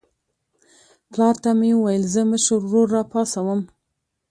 پلار ته مې وویل زه مشر ورور راپاڅوم.